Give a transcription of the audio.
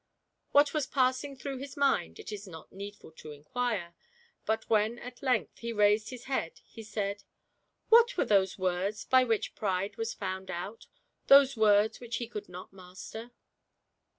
What was passing through his mind it is not needful to inquire, but when at length he raised his head, he said, " What were those words by which Pride was found out, those words which he could not master?"